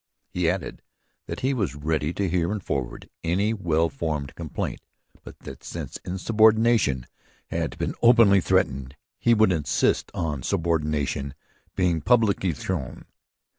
He added that he was ready to hear and forward any well founded complaint, but that, since insubordination had been openly threatened, he would insist on subordination being publicly shown.